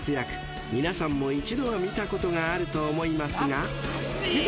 ［皆さんも一度は見たことがあると思いますが］